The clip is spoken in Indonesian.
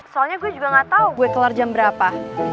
soalnya gue juga gak tau gue kelar jam berapa